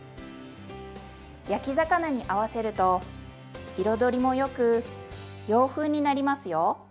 焼き魚に合わせると彩りもよく洋風になりますよ。